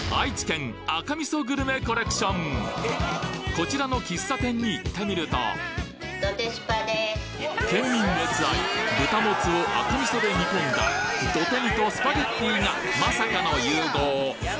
こちらの喫茶店に行ってみると県民熱愛豚モツを赤味噌で煮込んだ土手煮とスパゲッティがまさかの融合